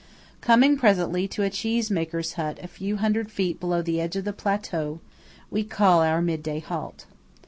31 Coming presently to a cheese maker's hut a few hundred feet below the edge of the plateau, we call our midday halt.